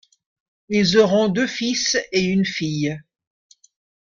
Ils auront deux fils et une fille.